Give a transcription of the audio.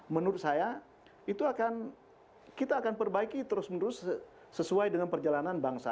menurut saya itu akan kita akan perbaiki terus menerus sesuai dengan perjalanan bangsa